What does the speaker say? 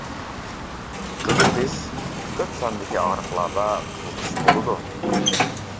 قىزىتىش: كۆپ ساندىكى ئاغرىقلاردا قىزىتىش بولىدۇ.